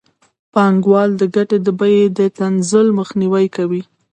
پانګوال د ګټې د بیې د تنزل مخنیوی کوي